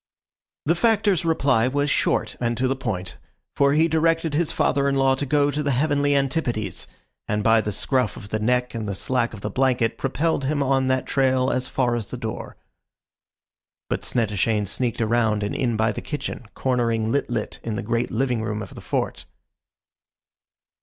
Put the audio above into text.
The Factor's reply was short and to the point; for he directed his father in law to go to the heavenly antipodes, and by the scruff of the neck and the slack of the blanket propelled him on that trail as far as the door. But Snettishane sneaked around and in by the kitchen, cornering Lit lit in the great living room of the Fort.